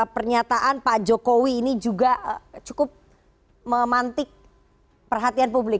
pernyataan pak jokowi ini juga cukup memantik perhatian publik